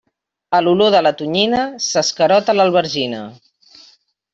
A l'olor de la tonyina s'escarota l'albergina.